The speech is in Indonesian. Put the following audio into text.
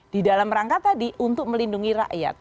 di dalam rangka tadi untuk melindungi rakyat